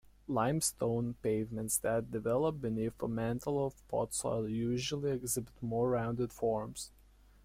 Limestone pavements that develop beneath a mantle of topsoil usually exhibit more rounded forms.